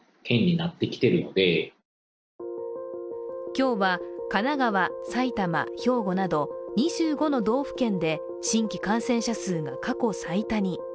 今日は神奈川、埼玉、兵庫など２５の道府県で新規感染者数が過去最多に。